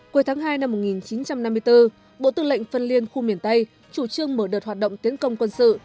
cuối tháng hai năm một nghìn chín trăm năm mươi bốn bộ tư lệnh phân liên khu miền tây chủ trương mở đợt hoạt động tiến công quân sự